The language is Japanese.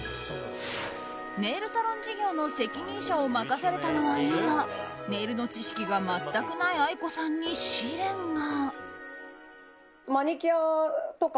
ネイルサロン事業の責任者を任されたのはいいがネイルの知識が全くないＡＩＫＯさんに試練が。